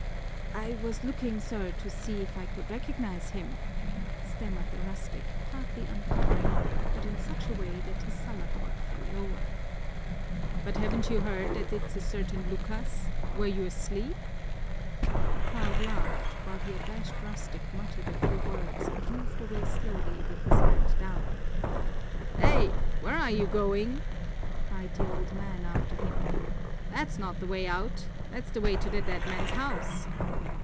"I was looking, sir, to see if I could recognize him," stammered the rustic, partly uncovering, but in such a way that his salakot fell lower. "But haven't you heard that it's a certain Lucas? Were you asleep?" The crowd laughed, while the abashed rustic muttered a few words and moved away slowly with his head down. "Here, where you going?" cried the old man after him. "That's not the way out. That's the way to the dead man's house."